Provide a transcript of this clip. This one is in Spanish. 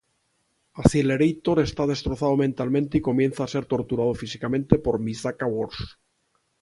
Accelerator está destrozado mentalmente y comienza a ser torturado físicamente por Misaka Worst.